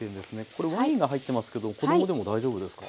これワインが入ってますけど子供でも大丈夫ですか？